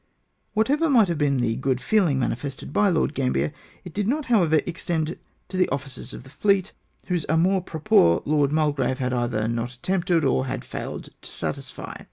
Whatever might have been the good feehng mani fested by Lord Gambler, it did not, however, extend to the officers of the fleet, whose amour propre Lord Mulgrave had either not attempted, or had failed to satisfy.